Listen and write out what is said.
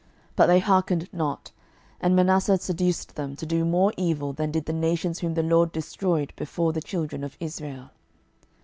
12:021:009 But they hearkened not: and Manasseh seduced them to do more evil than did the nations whom the LORD destroyed before the children of Israel.